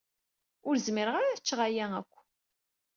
Ur zmireɣ ara ad ččeɣ aya akk.